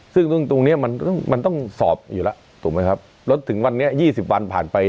ซึ่งตรงนี้มันต้องสอบอยู่แล้วถูกมั้ยครับแล้วถึงวันนี้๒๐วันผ่านไป